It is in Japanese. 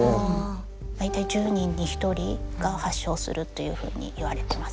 大体１０人に１人が発症するというふうにいわれてますね。